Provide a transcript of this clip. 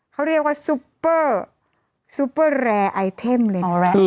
เขาเรียกว่าซุปเปอร์ซุปเปอร์แรร์ไอเทมเลย